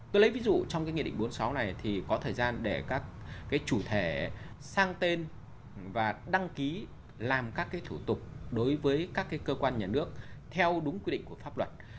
tôi lấy ví dụ trong cái nghị định bốn mươi sáu này thì có thời gian để các chủ thể sang tên và đăng ký làm các cái thủ tục đối với các cơ quan nhà nước theo đúng quy định của pháp luật